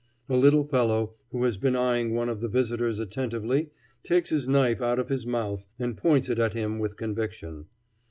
A little fellow who has been eying one of the visitors attentively takes his knife out of his mouth, and points it at him with conviction.